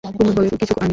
কুমুদ বলে, কিছু আনিনি।